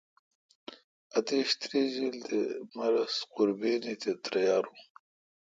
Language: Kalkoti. اتیش تریجیل تے مہ رس قربینی تہ تریارون۔